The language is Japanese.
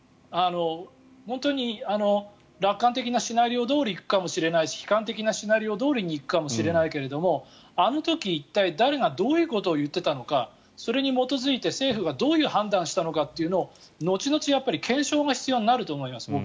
本当に楽観的なシナリオどおりに行くかもしれないし悲観的なシナリオどおりに行くかもしれないけどあの時一体、誰がどういうことを言っていたのかそれに基づいて政府がどういう判断したのかというのを後々検証が必要になると思います。